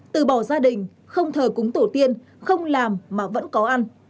từ bỏ gia đình không thờ cúng tổ tiên không làm mà vẫn có ăn